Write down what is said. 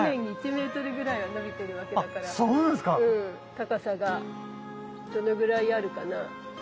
高さがどのぐらいあるかな？